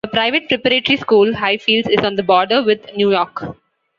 A private preparatory school, Highfields, is on the border with Newark.